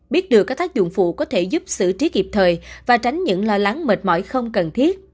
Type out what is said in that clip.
biết được các tác dụng phụ có thể giúp xử trí kịp thời và tránh những lo lắng mệt mỏi không cần thiết